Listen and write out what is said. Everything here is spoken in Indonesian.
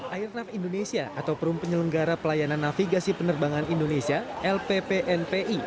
airnav indonesia atau perum penyelenggara pelayanan navigasi penerbangan indonesia lppnpi